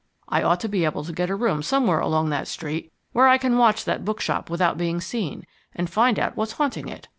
"I ought to be able to get a room somewhere along that street, where I can watch that bookshop without being seen, and find out what's haunting it.